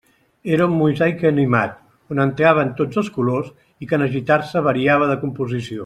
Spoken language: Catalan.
Era un mosaic animat, on entraven tots els colors i que en agitar-se variava de composició.